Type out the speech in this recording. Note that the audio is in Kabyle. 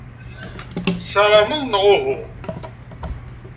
Tessarameḍ, neɣ uhu?